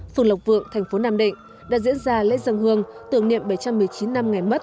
phường lộc vượng thành phố nam định đã diễn ra lễ dân hương tưởng niệm bảy trăm một mươi chín năm ngày mất